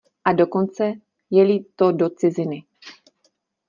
A dokonce, je-li to do ciziny.